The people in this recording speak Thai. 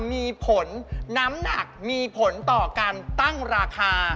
มีผลน้ำหนักมีผลต่อการตั้งราคา